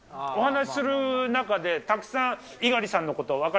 お話する中で、たくさん猪狩さん